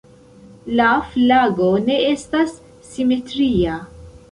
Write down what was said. La flago ne estas simetria.